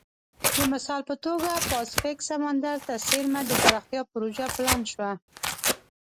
د مثال په توګه پاسفیک سمندر ته څېرمه د پراختیا پروژه پلان شوه.